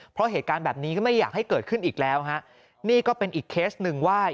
เพราะเหตุการณ์แบบนี้ก็ไม่อยากให้เกิดขึ้นอีกแล้วฮะนี่ก็เป็นอีกเคสหนึ่งว่า